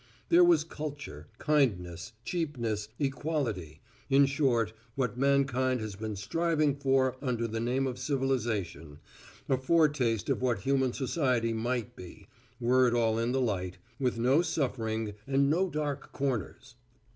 There was culture, kindness, cheapness, equality, in short what mankind has been striving for under the name of civilization, a foretaste of what human society might be, were it all in the light, with no suffering and no dark corners.